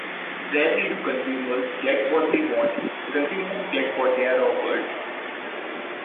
Rarely do consumers get what they want; consumers get what they are offered.